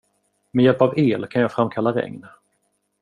Med hjälp av el kan jag framkalla regn.